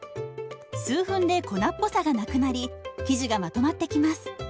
数分で粉っぽさがなくなり生地がまとまってきます。